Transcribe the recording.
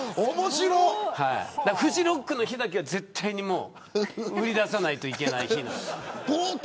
フジロックの日だけは絶対に売り出さないといけない。